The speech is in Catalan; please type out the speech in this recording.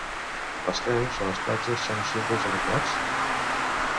Les creus a les platges són símbols adequats?